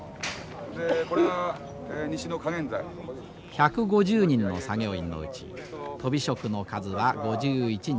１５０人の作業員のうちとび職の数は５１人。